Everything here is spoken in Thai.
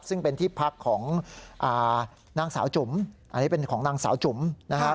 ซึ่งเป็นที่พักของนางสาวจุ๋มอันนี้เป็นของนางสาวจุ๋มนะครับ